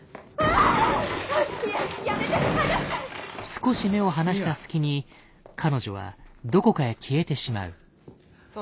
少し目を離した隙に彼女はどこかへ消えてしまう。